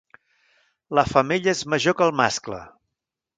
La femella és major que el mascle.